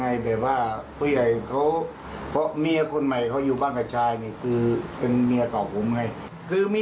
ไม่เป็นไรหนุ่มข้างหน้าเบอร์๑๓